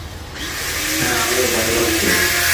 হ্যাঁ, আমিও তাই ভাবছি।